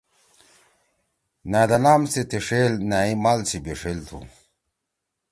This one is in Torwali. نأ دا نام سی تیݜیل، نأ یی مال سی بیݜیل تُھو